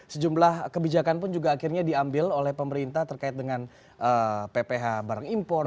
sejumlah kebijakan pun juga akhirnya diambil oleh pemerintah terkait dengan pph barang impor